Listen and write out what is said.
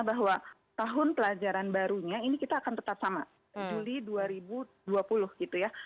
bahwa tahun pelajaran barunya ini kita akan tetap sama juli dua ribu dua puluh gitu ya